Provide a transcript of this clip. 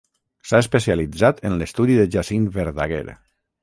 S'ha especialitzat en l'estudi de Jacint Verdaguer.